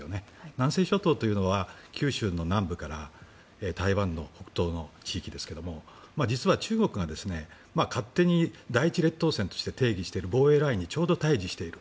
南西諸島というのは九州の南部から台湾の北東の地域ですが実は中国が勝手に第一列島線として定義している防衛ラインにちょうど対峙している。